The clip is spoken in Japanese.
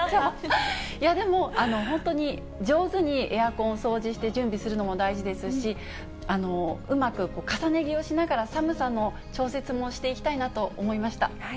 でも本当に上手にエアコン掃除して、準備するのも大事ですし、うまく重ね着をしながら寒さの調節もしていきたいなと思いました。